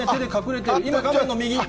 今、画面の右。